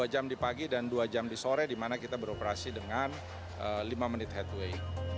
dua jam di pagi dan dua jam di sore di mana kita beroperasi dengan lima menit headway